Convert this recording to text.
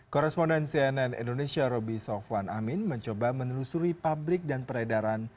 koresponden cnn indonesia roby sofwan amin mencoba menelusuri pabrik dan peredaran